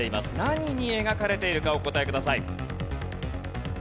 何に描かれているかお答えください。